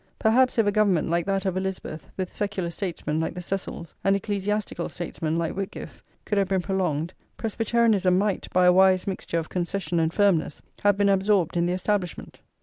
Perhaps if a government like that of Elizabeth, with secular statesmen like the Cecils, and ecclesiastical statesmen like Whitgift, could have been prolonged, Presbyterianism might, by a wise mixture of concession and firmness, have been absorbed in the Establishment.